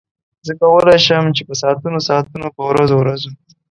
زه کولای شم په ساعتونو ساعتونو په ورځو ورځو.